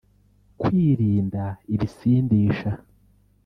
kwirinda ibisindisha